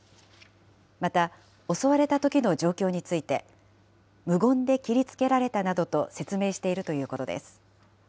また、襲われたときの状況について、無言で切りつけられたなどと説明しているということです。